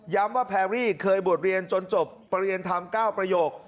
ว่าแพรรี่เคยบวชเรียนจนจบประเรียนธรรม๙ประโยค